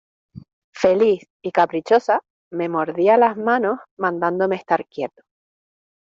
feliz y caprichosa me mordía las manos mandándome estar quieto.